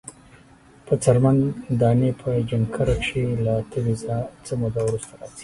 په څرمن دانی په جنکره کښی له تبی څه موده وروسته راځی۔